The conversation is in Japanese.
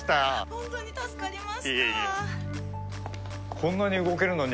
本当に助かりました